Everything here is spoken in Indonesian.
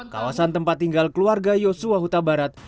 kawasan tempat tinggal keluarga yosua huta barat